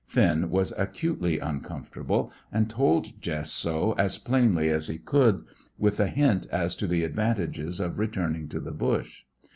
Finn was acutely uncomfortable, and told Jess so as plainly as he could, with a hint as to the advantages of returning to the bush.